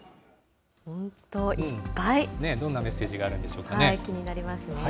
どんなメッセージがあるんで気になりますよね。